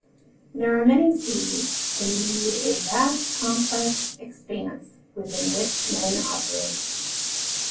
There are many seas-indeed a "vast, complex expanse" within which men operate.